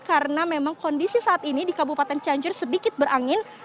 karena memang kondisi saat ini di kabupaten cianjur sedikit berangin